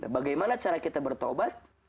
bagaimana cara kita bertobat